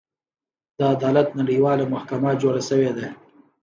د عدالت نړیواله محکمه جوړه شوې ده.